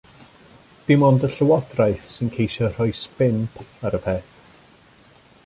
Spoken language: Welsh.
Dim ond y Llywodraeth sy'n ceisio rhoi sbin positif ar y peth.